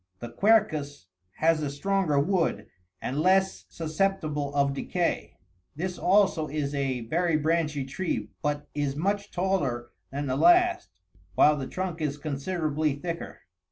The quercus has a stronger wood, and less susceptible of decay : this also is a very branchy tree, but is much taller than the last, while the trunk is considerably thicker.